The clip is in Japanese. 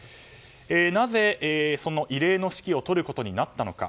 なぜその異例の指揮を執ることになったのか。